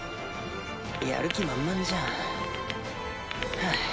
やる気満々じゃんハァ。